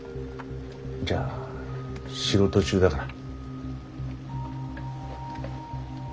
じゃあ仕事中だから。